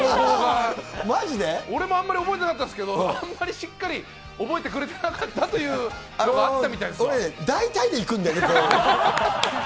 俺もあんまり覚えてなかったんですけど、あんまりしっかり覚えてくれてなかったっていうのがあったみたい俺ね、大体でいくんだよね。